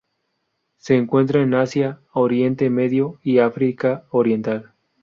Se encuentra en Asia, Oriente Medio y África oriental.